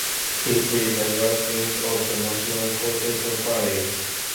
It is the youth wing of the National Coalition Party.